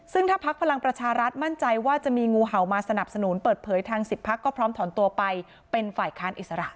ซึ่งถ้าพักพลังประชารัฐมั่นใจว่าจะมีงูเห่ามาสนับสนุนเปิดเผยทาง๑๐พักก็พร้อมถอนตัวไปเป็นฝ่ายค้านอิสระ